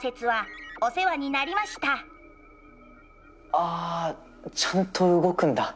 ああちゃんと動くんだ。